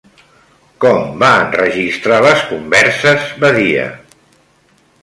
Com va enregistrar les converses Badia?